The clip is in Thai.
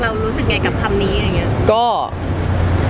เรารู้สึกไงกับคำนี้แล้งเเกี้ย